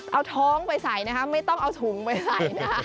เอาท้องไปใส่นะคะไม่ต้องเอาถุงไปใส่นะคะ